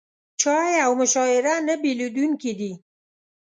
چای او مشاعره نه بېلېدونکي دي.